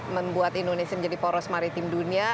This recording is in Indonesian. membuat indonesia menjadi poros maritim dunia